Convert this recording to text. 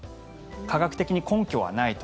科学的に根拠はないと。